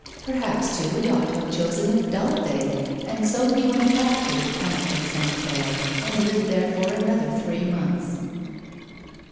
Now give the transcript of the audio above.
Perhaps, too, he ought to have chosen a dull day, and so he went back to the Pont des Saint Pères, and lived there for another three months.